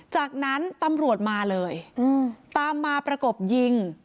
จากนั้นตำรวจมาเลยตามมาประกบยิง